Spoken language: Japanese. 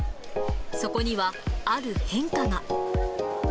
そこにはある変化が。